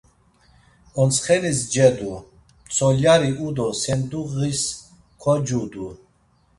Ontsxenis cedu, mtzolyari u do senduğis kocudu.